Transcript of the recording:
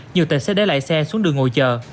nhiều tệ xe để lại xe xuống đường ngồi chờ